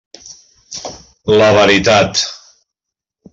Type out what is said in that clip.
La veritat.